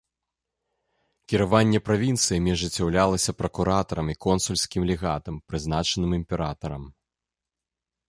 Кіраванне правінцыямі ажыццяўлялася пракуратарам і консульскім легатам, прызначаным імператарам.